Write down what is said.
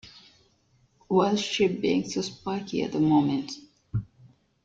Why's she being so spiky at the moment?